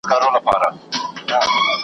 په کوهي کي لاندي څه کړې بې وطنه .